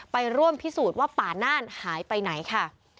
ไปร่วมพิสูจน์ว่าป่าน่านหายไปไหนค่ะ